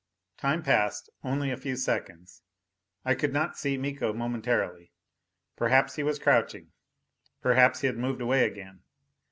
Time passed only a few seconds. I could not see Miko momentarily. Perhaps he was crouching; perhaps he had moved away again.